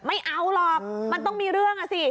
ไม่เอาหรอกมันต้องมีเรื่องอ่ะสิ